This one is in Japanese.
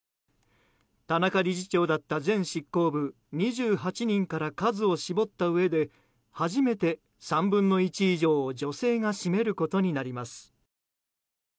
田中理事長だった前執行部２８人から数を絞ったうえで初めて３分の１以上を女性が占めることになります。